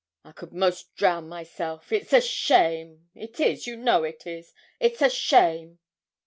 I could 'most drown myself. It's a shame! It is you know it is. It's a shame!'